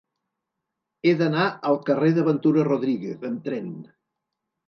He d'anar al carrer de Ventura Rodríguez amb tren.